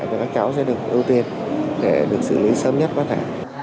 thì các cháu sẽ được ưu tiên để được xử lý sớm nhất có thể